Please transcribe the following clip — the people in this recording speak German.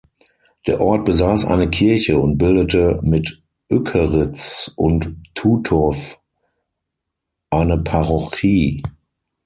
Der Ort besaß eine Kirche und bildete mit Ückeritz und Tutow eine Parochie.